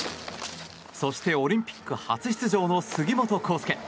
そして、オリンピック初出場の杉本幸祐。